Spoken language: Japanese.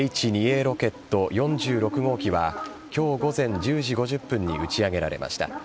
ロケット４６号機は今日午前１０時５０分に打ち上げられました。